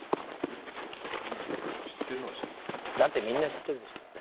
だってみんな知ってるでしょ。